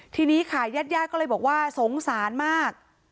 ทีนี้ค่ะญาติญาติก็เลยบอกว่าสงสารมาก